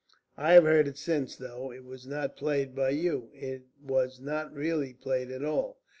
"I have heard it since, though it was not played by you. It was not really played at all.